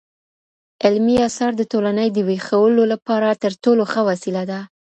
علمي اثار د ټولني د ويښولو لپاره تر ټولو ښه وسيله ده.